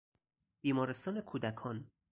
بیمارستان کودکان